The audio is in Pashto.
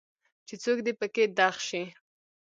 چې څوک دي پکې دغ شي.